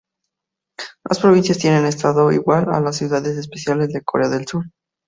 Las provincias tienen estado igual a las ciudades especiales de Corea del Sur.